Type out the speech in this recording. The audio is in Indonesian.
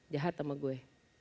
jahat sama gue